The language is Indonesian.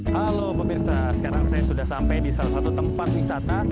halo pemirsa sekarang saya sudah sampai di salah satu tempat wisata